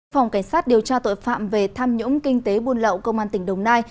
phòng cảnh sát điều tra tội phạm về tham nhũng kinh tế buôn lậu công an tỉnh đồng nai